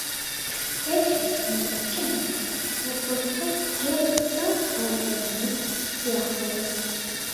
ერთვის წყნარ ოკეანეს, საპორტო ქალაქ სან-ანტონიოს სიახლოვეს.